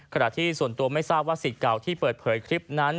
ขณะที่ส่วนตัวไม่ทราบว่าสิทธิ์เก่าที่เปิดเผยคลิปนั้น